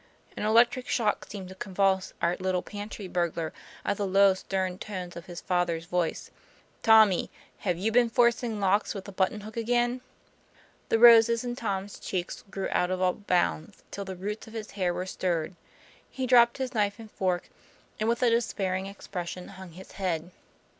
an electric shock seemed to convulse our little pantry burglar at the low, stem tones of his father's voice, " Tommy, have you been forc ing locks with a button hook again?" The roses in Tom's cheeks grew out of all bounds, till the " roots of his hair were stirred "; he dropped his knife and fork, and with a despairing expression hung his head.